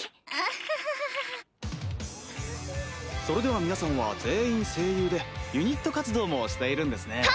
それでは皆さんは全員声優でユニット活動もしているんですね。